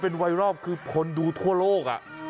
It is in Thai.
เป็นไวรัลคือคนดูทั่วโลก